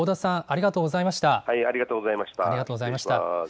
香田さん、ありがとうございました。